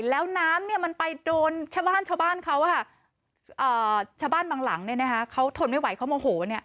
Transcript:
แล้วน้ำมันไปโดนชาวบ้านบางหลังเขาถนไม่ไหวเขาโมโห